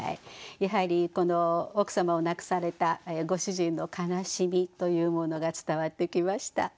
やはりこの奥様を亡くされたご主人の悲しみというものが伝わってきました。